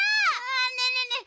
ねえねえねえ